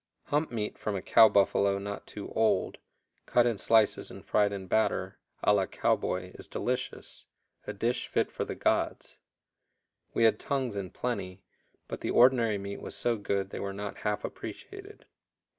Hump meat from a cow buffalo not too old, cut in slices and fried in batter, a la cowboy, is delicious a dish fit for the gods. We had tongues in plenty, but the ordinary meat was so good they were not half appreciated.